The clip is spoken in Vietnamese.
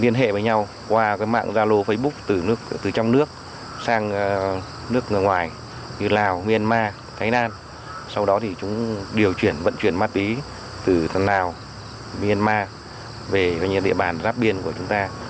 nước ngoài như lào myanmar thánh an sau đó thì chúng điều chuyển vận chuyển ma túy từ lào myanmar về địa bàn giáp biên của chúng ta